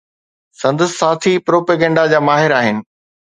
سندس ساٿي پروپيگنڊا جا ماهر آهن.